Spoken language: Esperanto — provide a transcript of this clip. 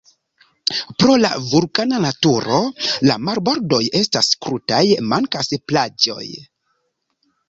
Pro la vulkana naturo la marbordoj estas krutaj, mankas plaĝoj.